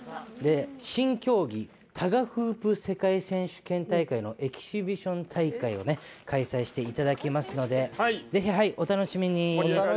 新競技タガフープ世界選手権大会のエキシビション大会を開催していただきますのでお楽しみに。